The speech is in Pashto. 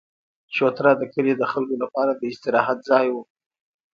چوتره د کلي د خلکو لپاره د استراحت ځای وو.